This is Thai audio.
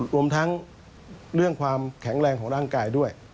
รวมทั้งเรื่องความแข็งแรงของร่างกายด้วย